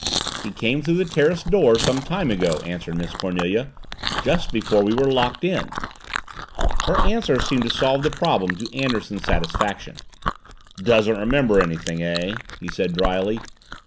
"He came through the terrace door some time ago," answered Miss Cornelia. "Just before we were locked in." Her answer seemed to solve the problem to Anderson's satisfaction. "Doesn't remember anything, eh?" he said dryly.